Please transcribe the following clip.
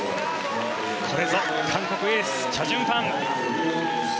これぞ韓国エースチャ・ジュンファン。